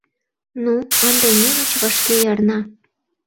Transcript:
— Ну, ынде немыч вашке ярна.